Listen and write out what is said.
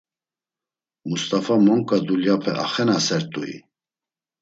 Must̆afa monǩa dulyape axenasert̆ui?”